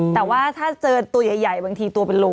แต่ว่าถ้าเจอตัวใหญ่บางทีตัวเป็นลม